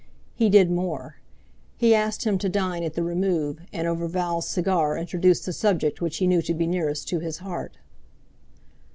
He did more. He asked him to dine at the Remove, and over Val's cigar introduced the subject which he knew to be nearest to his heart.